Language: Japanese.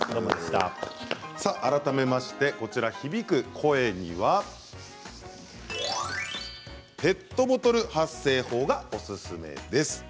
改めまして、響く声にはペットボトル発声法がおすすめです。